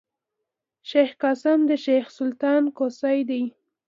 شېخ قاسم د شېخ سلطان کوسی دﺉ.